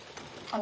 あ！